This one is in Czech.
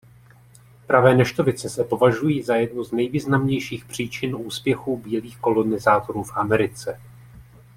Pravé neštovice se považují za jednu z nejvýznamnějších příčin úspěchů bílých kolonizátorů v Americe.